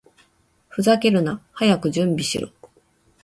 ふざけるな！早く準備しろ！